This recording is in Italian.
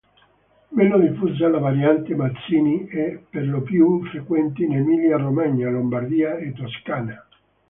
Meno diffusa la variante "Mazzini", e perlopiù frequente in Emilia-Romagna, Lombardia e Toscana.